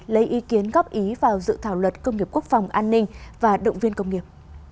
lấy ý kiến góp ý vào dự thảo luật công nghiệp quốc phòng an ninh và động viên công nghiệp